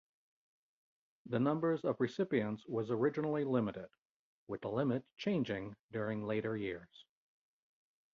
The numbers of recipients was originally limited, with the limits changing during later years.